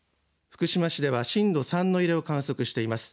福島市では震度３の揺れを観測しています。